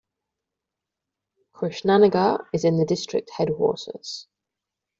Krishnanagar is the district headquarters.